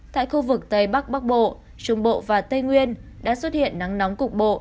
tại khu vực tây bắc bắc bộ trung bộ và tây nguyên đã xuất hiện nắng nóng cục bộ